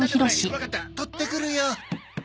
わかった取ってくるよ。